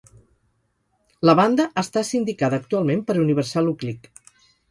La banda està sindicada actualment per Universal Uclick.